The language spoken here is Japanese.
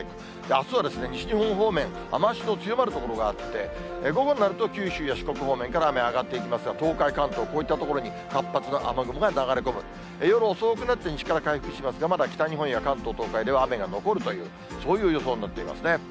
あしたは西日本方面、雨足の強まる所があって、午後になると九州や四国方面から雨上がっていきますが、東海、関東、こういった所に活発な雨雲が流れ込む、夜遅くなって西から回復しますが、まだ北日本や関東、東海では、雨が残るという、そういう予想になっていますね。